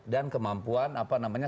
dan kemampuan apa namanya